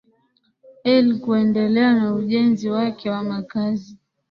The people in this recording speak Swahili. el kuendelea na ujenzi wake wa makazi